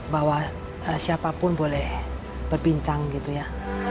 bahwa siapapun boleh berbincang gitu ya